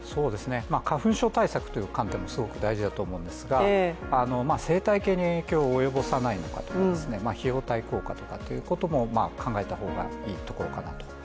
花粉症対策という観点もすごく大事だと思うんですが、生態系に影響を及ぼさないのかとか、費用対効果ということも考えた方がいいところかなと。